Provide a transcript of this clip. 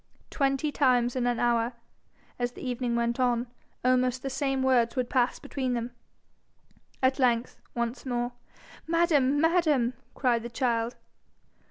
Twenty times in an hour, as the evening went on, almost the same words would pass between them. At length, once more, 'Madam! madam!' cried the child.